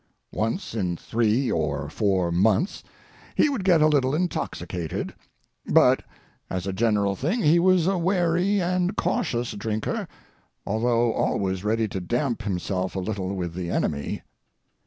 Once in three or four months he would get a little intoxicated; but, as a general thing, he was a wary and cautious drinker, although always ready to damp himself a little with the enemy.